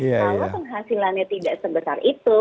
kalau penghasilannya tidak sebesar itu